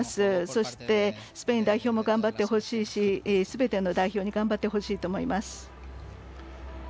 そして、スペイン代表も頑張ってほしいしすべての代表に頑張ってほしいと思います。